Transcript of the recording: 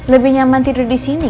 lebih nyaman tidur disini